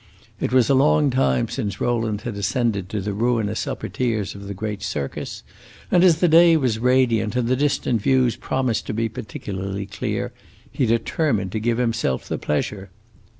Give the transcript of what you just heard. It was a long time since Rowland had ascended to the ruinous upper tiers of the great circus, and, as the day was radiant and the distant views promised to be particularly clear, he determined to give himself the pleasure.